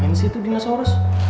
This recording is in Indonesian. ngapain sih itu dinosaurus